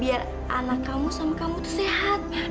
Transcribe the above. biar anak kamu sama kamu tuh sehat